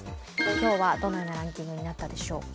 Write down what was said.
今日はどのようなランキングになったでしょうか。